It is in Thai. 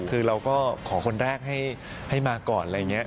คือเราก็ขอคนแรกให้มาก่อนอะไรอย่างนี้